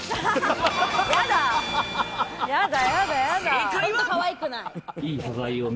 正解は。